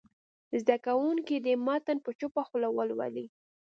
زده کوونکي دې متن په چوپه خوله ولولي.